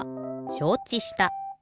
しょうちした。